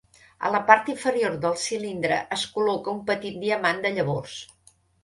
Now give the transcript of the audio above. A la part inferior del cilindre es col·loca un petit diamant de llavors.